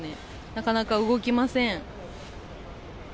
なかなか動きません。